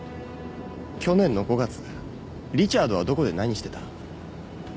去年の５月リチャードはどこで何してた？